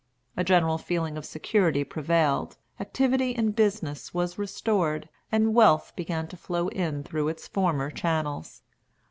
A general feeling of security prevailed, activity in business was restored, and wealth began to flow in through its former channels.